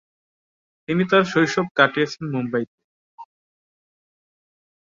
তিনি তার শৈশব কাটিয়েছেন মুম্বাই তে।